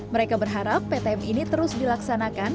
mereka berharap ptm ini terus dilaksanakan